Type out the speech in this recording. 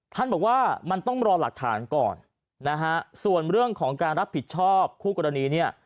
ท่านบอกว่ามันต้องรอหลักฐานก่อนนะฮะส่วนเรื่องของการรับผิดชอบคู่กรณีเนี่ย